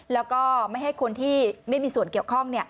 แล้วก็ไม่ให้คนที่ไม่มีส่วนเกี่ยวข้อง